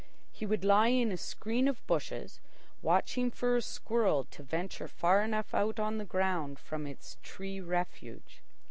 He would lie in a screen of bushes, watching for a squirrel to venture far enough out on the ground from its tree refuge.